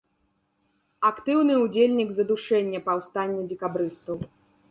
Актыўны ўдзельнік задушэння паўстання дзекабрыстаў.